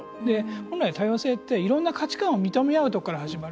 本来、多様性っていろんな価値観を認め合うことから始まる。